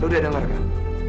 lu udah denger kan